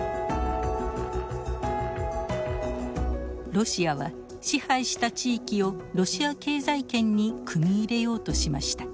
ロシアは支配した地域をロシア経済圏に組み入れようとしました。